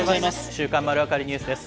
週刊まるわかりニュースです。